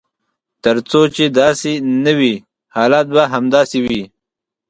تر څو چې داسې نه وي حالات به همداسې وي.